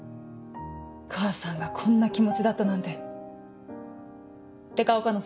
母さんがこんな気持ちだったなんて」って顔かな？